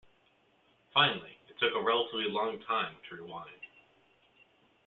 Finally, it took a relatively long time to rewind.